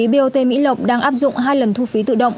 bot mỹ lộc đang áp dụng hai lần thu phí tự động